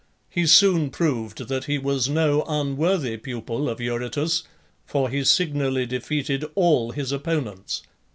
He soon proved that he was no unworthy pupil of Eurytus, for he signally defeated all his opponents.